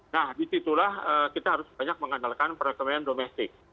nah disitulah kita harus banyak mengandalkan perekonomian domestik